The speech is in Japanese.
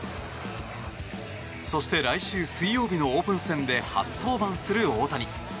そして来週水曜日のオープン戦で初登板する大谷。